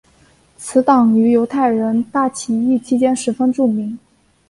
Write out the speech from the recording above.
此党于犹太人大起义期间十分著名。